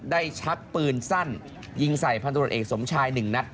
ชักปืนสั้นยิงใส่พันธุรกิจเอกสมชาย๑นัด